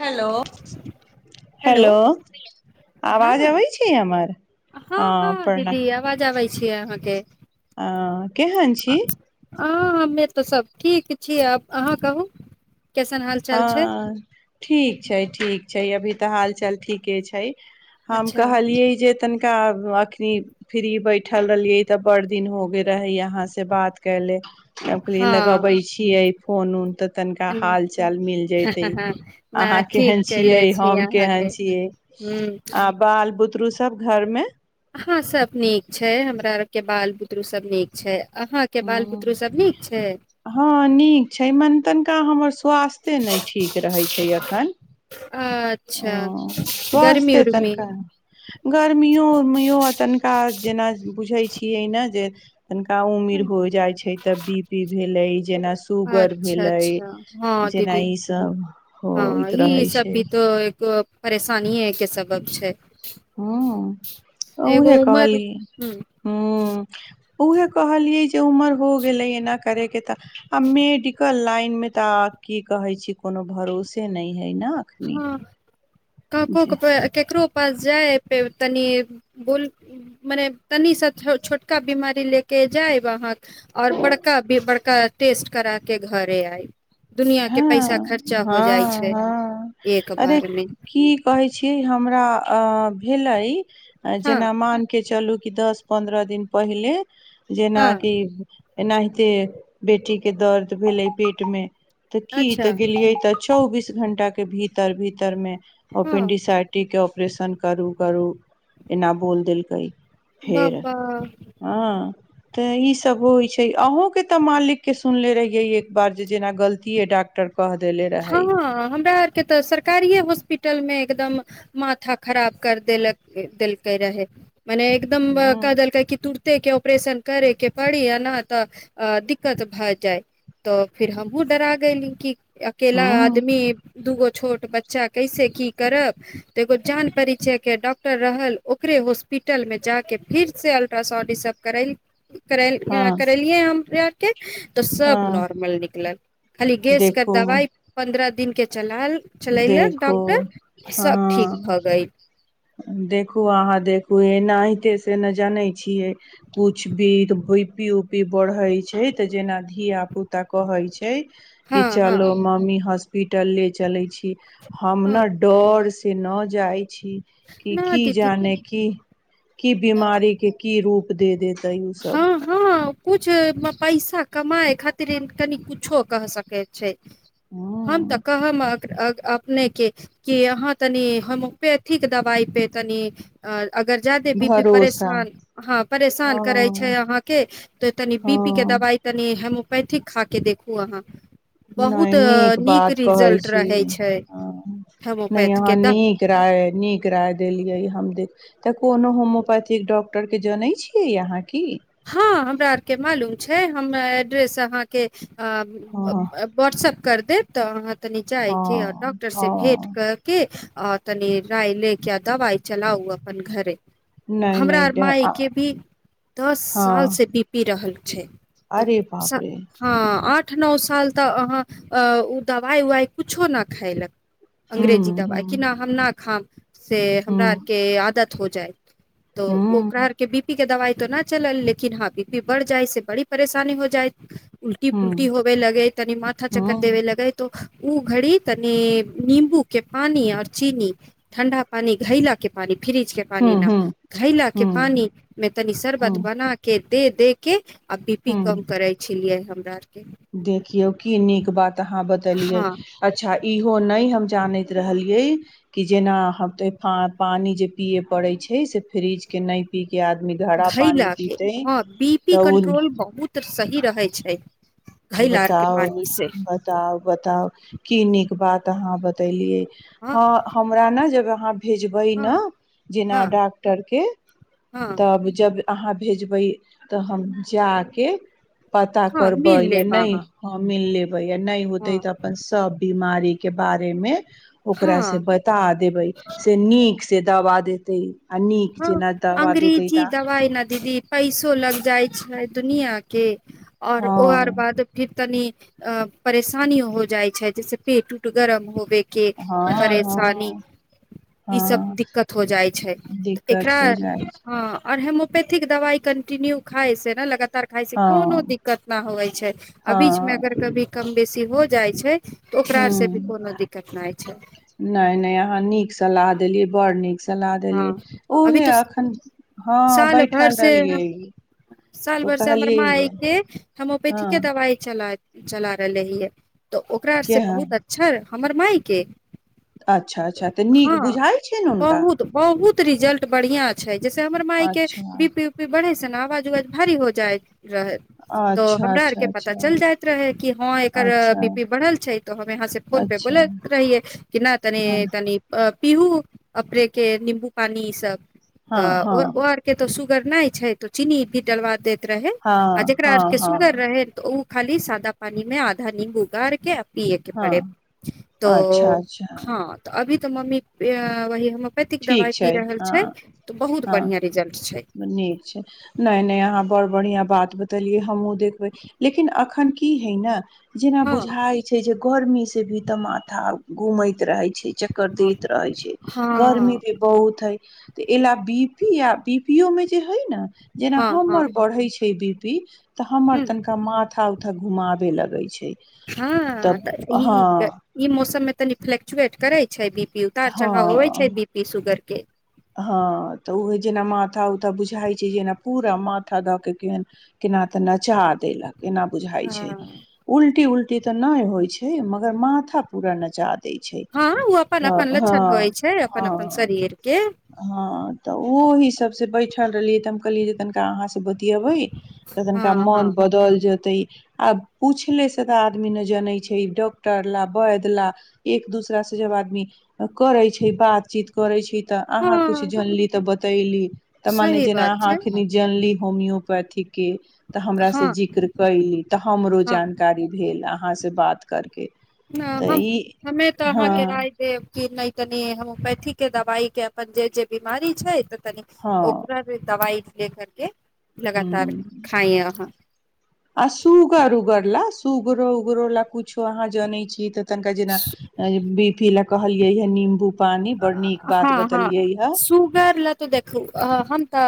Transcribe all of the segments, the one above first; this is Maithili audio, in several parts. हेलो हेलो हँ आवाज अबै छै हमर ह हँ हँ प्रण दीदी आवाज आबै छियै अहाँके ह केहन छी हँ हमे तऽ सब ठीक छी आब अहाँ कहू कैसन हाल चाल छै हँ ठीक छै ठीक छै अभी तऽ हाल चाल ठीके छै हम अच्छा कह हलियए जेतन का अखनी फ्री बैठल रहलियै तऽ बड़ दिन हो गेल रहै यहाँ से बात कले हम कहलिए लगबै हँ छियै फोन उन त तननका नहि हाल छै मिल जेतै अन्हा ठीक केहन छिय कले छी हम केहन अहाँके छिय ह हँ बाल बुतरू सब घर मे हँ सब नीक छै हमरा आर के बाल बुतरु सब नीक छै अहाँ के बाल बुतरू सब नीक छै ह हँ नीक छै मन तनिका हमर स्वास्थे नहि ठीक रहै छै एखन ह अच्छा गर्मी स्वासस्थे उर्मी तनिका गर्मियो उर्मिओ आ तनिका जेना बुझैत छियै ने जे तनिका उमिर हो जाइ छै तऽ बी पी भेलै जेना सुूगर अच्छा भेलै अच्छा हँ जेना दीदी ईसभ होइत रहै छै त परेशानी के सबक छै हहुँ एगो उहे उमर कहली हूँ हहुँ उऊहे कहलियै जे उमर हो गेलै एना करे के त आ मेडिकल लाईन में तऽ की कहे छी कोनो भरोसे न है न अखनी हँ कको जे पैर केकरो पास जाये तनी बोल मने तनीसँ छोटका बिीमारी लऽ कऽ जायब अहाँके आओर बड़का बड़का टेस्ट करा कऽ घरे आयब दुनिआँके पैसा हँ खर्चा हो जाइ हँ छै हँ एक अरे बार मे की कहै छीिय हम हमरा भेलै आ हँ जेना मान के चलू कि दश पन्द्रह दिन पहिले जेनाा की हँ एनाहिते बेटीके दर्द भेलै पेटमे तऽ की अच्छा तऽ गेलियै तऽ चौबीस घंटा के भीतर भीतर मे हँ ओपनडीस आरटी के ऑप एकप्रेशन करू करू एना बोल देलकै फेर बाबा हँ तऽ ईसभ होइत छै अहूँके तऽ मालिकके सुनले रहियै एक बार जे जेना गलती इह डॉ्टर हँ हमरा आरके तऽ सरकारिए हॉस्पिटलमे एकदम माथा खराब कर देलक देलकै रहै मने एकदम ह क देलकै क तूटते के ऑपरेशन करे के बड़ी आ नहि तऽ दिक्कत भए जाय तऽ फिर हमहुूँ डरा गली कि अकेेला ह आदमी दूगो छोट बच्चा कैसे की करब तऽ एगो जान परिचयके डॉक्टर रहल ओकरे हॉस्पिटलमे जा कऽ फेरसँ अल्ट्रासाउण्ड ईसभ करय कर हँ करलियै हम तऽ सब हँ नॉर्मल निकलल खाली गैसके देखू दबाइ पन्द्रह दिन के दलाल चलेलक देखू डॉक्टर सभ ठीक हँ भऽ गेल देखू अहाँ देखू एना हते सेना जनैत छियै कुछ भी भुपी उपी बढ़ैत छै तऽ जेना धियापुता कहैत छै कि हँ हँ चलो मम्मी हस हॉस्पिटल ले चलै छी हम हँ ने डर से न जाइ न की दीदी जाने क की बीमारी के की रूप दे ओ सब हँ हँ कुछ पैसा कमााय खातिर कनि कुछो क सकै छै ह हम तक हम अपनेके कि यहाँ तनि होम्योपैथिक दवाइ पे तनि अगर जादे बी पी भरोसा परेशान हँ परेशान करे छै हँ अहाँके त तनि बी पी के हँ दवाई तनि हेमो पैथी खा के देखू अहाँ नै बहुत नीक बात कहै रिजल्ट छी रहै छै ह नहि होम्योपैथ यहाँ के द नीक राय नीक राय देलियै हम देख तऽ कोनो होम्योपैथिक डॉक्टर के जनैत छियै अहाँ की हँ हमरा आरके मालूम छै हम एड्रेस अहाँके हँ आब वाट्सअप कर देब तऽ अहाँ तनी जाइके आर हँ डॉक्टर से भेंट हँ कर के आ तनी लराय लेके दवाई चलाऊ अपन घरे क दवइ चलाउ अपन घरे नहि हमरा नहि मायके भी दस साल हँ से बी पी रहल छै अरे बाप तऽ रे हँ आओर आठ नओ साल तक अहाँ ओ दवाइ उवाइ किछो नहि खयेलक हूँ अंग्रेजी दवा कि हूँ नहि हम न खाम से हमरा हूँ आरके आदत हो जाइ तऽ ओ हूँ ओकरारके बीपी के दवाइ तऽ नहि चलल लेकिन हभी भी बढ़ जाइ से बड़ी परेशानी हो जाइ उलटी पुलटी हूँ होबे लगे तनी माथा च्कर हूँ देबे लगे त ओ घड़ी तनी नींबू के पानी और चीनी ठण्डा पानी घैला के पानी फ्रिज के पानी हूँ न हूँ घैला के हूँ पानी मे तनी शरबत हूँ आहाँ के दे दे के आ बी पी हूँ कम करे छलियै हम रास्ट्रीक देखियौ क ननी क बात अहाँ बतेलियै हँ अच्छा इहो नहि हम जानैत रहलियै कि जेना ह पा पानी जे पिये पड़े छै से फ्रिज के नइ पी के आदमी घड़ा पानी घैला के पीते हँ बी पी तऽ ओ कंट्रोल बहुत सही रहै छै घैला आर के बताउ पानी से बताउ बताउ की नीक बात तऽ अहाँ बतेलियै हँ हमरा न जब आहाँ भेजबै न हँ जेना हँ डॉक्टर के हँ तब जब आहाँ भेजबै तऽ हम जाके पता हँ करबै मिल बैय लेब नय अहाँ हँ मिल लेब बैय नय होतै हँ तऽ अपन सब बीमार री के बारेमे ओकरा से हँ बता देबै से नीक से दबा देतै आ नीक हँ जेना दवा देतै अंग्रेजी ता दवाइ न दीदी पैसो लग जाइ छै दुनिया के आओर ओ अर हँ बाद फिर तनी अ परेशानी हो जाइ छै जैसे पेट उट गरम होवे के हँ परेशानी हँ ई सब हँ दिक्कत हो जाइ छै दिक्कत एकरा हो जाइ छै हँ और होम्योपेथिक दवाई कन्टीन्यू खाय से न लगा टार खााय छै कोनो हँ दिक्कत न होबै छै अ हँ बीच मे अगर कभी कम बेसी हो जाइ छै तऽ ह ओकरा से भी कोनो दिक्कत नहि छै नइ नइ अहाँ नीक सँ देलिय बर नीक सलाह देलियै हँ अभी उहे तऽ एखन हँ साल भर बैठल से रहलियै साल तऽ भर से हमर कहलियै यै माायके हँ होम्योपेथीके दवाइ चलाइ चला रहले हिये तऽ ओकरा के से हँ बहुत अच्छा हमर माायके अच्छा अच्छा तऽ नीक बुझाइ छैन हुनका बहुत बहुत रिजल्ट बढ़िया छै जैसे हमर मााय के अच्छा बी पी उ पी बढ़े से ने आवाज उवाज भारी हो जाय रहे तो अच्छा हमरा आर अच्छा के पता अच्छा चल जाइत रहे कि हँ एकर अच्छा बी पी बढ़ल छै तो हम यहाँ से फोन पे अच्छा बोलैत रहियै कि न तनी हँ तनी पिहू अपरेक के नीम्बू पानी ई सब हँ तऽ ओ हँ ओ आर के तऽ सु अगर नहि छै त चीनी डलबा दैत रहै आ हँ जेकरा हँ आर के सुगर हँ रहै तऽ ओ खाली सादा पानी में आधा नींब गारके पीए के हँ पड़े तो अच्छा अच्छा हँ त अभी तऽ मम्मी इए वह हम हॉमियोंपैतिक दवाई ठीक पी छै रहल हँ छै तऽ बहुत हँ बढ़िया रिजल्ट छै नीक छै नहि नहि अहाँ बड़ बढ़िियां बात बतेलियै हमहुँ देखबै लेकिन अखन की है ने जेना हँ बुझाय छै जे गर्मी से भी तऽ माथा घूमैत रहे छै चक्कर दैत हँ रहे छै गर्मी हँ भी बहुत है त एलए बी पी य बी पी मे जे हइ ने जेना हँ हमर ह बढ़ैत छै वि पी - तऽ हमर् तन क माँथ ओऽ घुमाबे लगै छै तब हँऽ हँ ई ई मौसममे तनी फ्लेक्चुएट करै छै बी उतार चढ़ाव होबे हँ छै बी पी सुगर के हँ तऽ उह जेना माथा उथा बुझाइ छै जे जेना पूरा माथा दऽ के केन केना तऽ नचा देलक केना बुझााय हँ छै उल्टी उलटी इ तऽ नहि होइ छै मगर माथा पूरा नजाद हँ ओ अपन अपन लक्षण होइ छै अपन अपन हँ शरीर के हँ तऽ ओ ह सब से बैठल रहलियै तऽ हम कहलियै जे कनिका अहाँ सुबतिबै तऽ तननका हँ मन हँ बदल जेतै आब पूछले से तऽ आदमी ने जनैत छै डॉक्टर ला वैद्य ला एक दूसरा से जब आदमी करे छै बातचीत करे छै तऽ अहाँ कुछ हँ जानली तऽ बतैली तऽ मान सही जेना बात अहाँ छै अखनी जानली होमियोपैथिक के तऽ हमरा हँ से जिक्र कली तऽ हमरो हँ जानकारी भेल कहहाँ से बात करके न तऽ हम ई हमे तऽ अहाँके हँ राय देब कि नहि तनि होम्योपैथी के दवाइ के अपन जे जे बीमारी छै तनी हँ ओकर दवाई ले कर के हू आ सुगर उगर लऽ उगरो उगरो ला कुछो अहाँ जानै छी त ना जेना बी पी लऽ कहलियै य नीम्बू हँ हँ सुगर ल तऽ देखू हम अ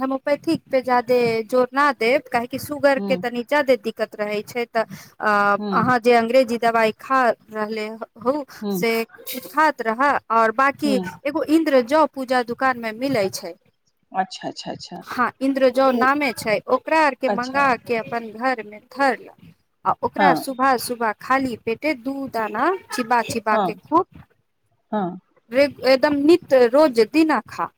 होेमोपैथी पे ज्यादे जोर ना देब काहे सुगर के ह तनि जादे दिक्क दिककत रहै छै तऽ अ ह अहाँ जे अंग्रेजी दवाइ खा रहलै ह हौ ह से [unintelligible] त्र ह आओर बकी ह एगो इन्द्र जउ पूजा दु कान मे मिलै छै अच्छा अच्छा अच्छा हँ इन्द्र जउ ओ नामे छै ओकरा आर के मंगा अच्छा के अपन घर तई मे धर ल आ हँ ओकरा सुबह सुबह खाली पेटे दू दाना चिबा चिबा हँ खूब हँ रेब एकदम नित रोज दिना खा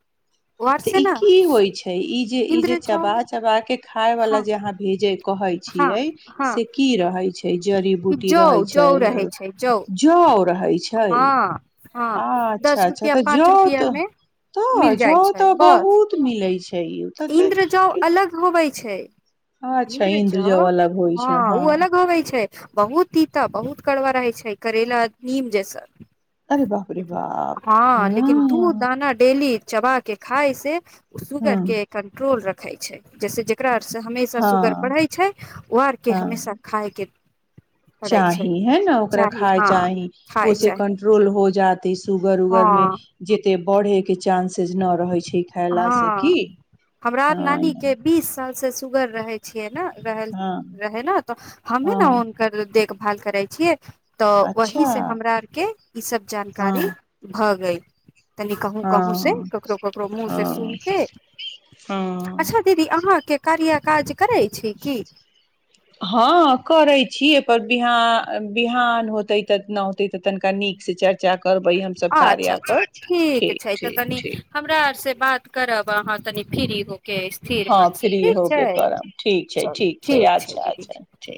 तऽ ई वारसेना की होइ छै ई जे ई जे इन्द्र जौ चबा चबा खााय वला हँ जे अहाँ भेजै कहे हँ छियै हँ से की रहै छै जड़ी ई बूटी जौ रहै जौ छै रहै छै जौ रहै छै हँ हँ अच्छा दस अच्छा रुपआ तऽ पाँच जौ रुपआ तऽ मे तऽ मिल जाइ जौ छै तऽ बस बहुत मिल लै छी इन्द्र जउ अलग होबै छै अच्छा इन्द्र इन्द्रजौ चौ अलग होइ हँ छै ओ अलग है छै बहुत तीता बहुत कड़वा रहै छै करैला नीम जैस अरे बाप रे ल बाप हँ लेकिन दू हँ दाना डेली चबा के खाइ से हँ कन्ट्रोल रखै छै जैस जकरा से हमेशा सुगर हँ बढ़े छै ओ आर के हँ हमेशा खााय के पड़ै छै चाही है न ओकरा चाही खााय हँ चाही खाय ओे चाही कंट्रोल हो जाता सुगर उगरमे हँ ज ओते बढ़े के चानंसेज न रहै छै खयला से की हँ हमरा नानी के हँ बीस साल से सुगर रहै रह हँ रह ने त हमी ने हँ उनक देख देखभाल करै छियै तऽ अच्छा वही से हमरा आर के ई सब जानकारी हँ भ गई तनि कहूँ कहूं से हँ ककरो ककरो मुँह हँ हँ दीी अ काज करै छी की हँ करैत छी एहिपर बिहान बिहान होतै तऽ नहि होतै तऽ तनिका नीकसँ चर्चा करबै हमसभ अच्छा कार्या अच्छा पर ठीक छै तऽ ठीक तनी ठीक हमरा आर बात करब अहाँ तनि फ्री हो हँ फ्री हो के करब ठीक छै ठीक छै अच्छा अच्छा ठ